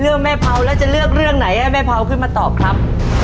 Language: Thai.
แม่เผาแล้วจะเลือกเรื่องไหนให้แม่เผาขึ้นมาตอบครับ